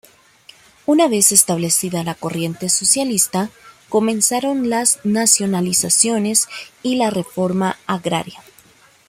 Una vez establecida la corriente socialista, comenzaron las nacionalizaciones y la reforma agraria.